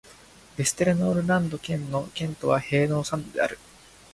ヴェステルノールランド県の県都はヘーノーサンドである